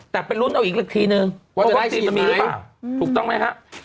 แต่ไปลุ้นเอาอีกทีนึงว่าวัคซีนมันมีหรือเปล่าถูกต้องไหมฮะ